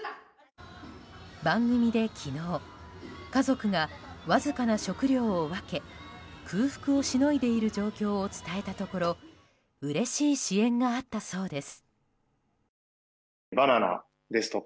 番組で昨日家族がわずかな食料を分け空腹をしのいでいる状況を伝えたところうれしい支援があったそうです。